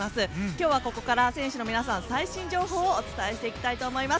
今日はここから選手の皆さんの最新情報をお伝えしていきたいと思います。